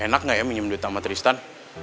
enak nggak ya minum duit sama tristan